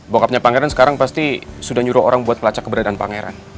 bokapnya pangeran sekarang pasti sudah nyuruh orang buat melacak keberadaan pangeran